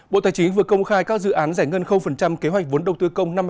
bộ tài chính vừa công khai các dự án giải ngân kế hoạch vốn đầu tư công năm hai nghìn hai mươi bốn